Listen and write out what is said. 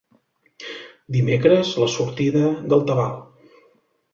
Dimecres, la sortida del tabal.